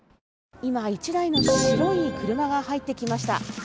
今、１台の白い車が入ってきました。